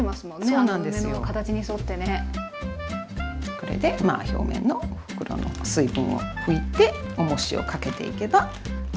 これで表面の袋の水分を拭いておもしをかけていけば大丈夫。